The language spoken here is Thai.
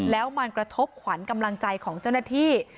แล้วมันกระทบขวัญกำลังใจของเจ้าหน้าที่